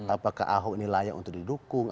apakah ahok ini layak untuk didukung